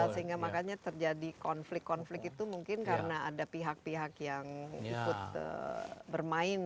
sehingga makanya terjadi konflik konflik itu mungkin karena ada pihak pihak yang ikut bermain